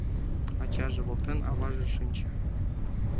Ачаже воктен аваже шинче.